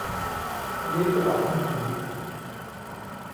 ลิ้นตวัดถึงหู